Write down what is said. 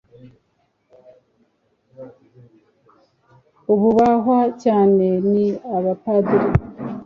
abubahwa cyane ni abapadiri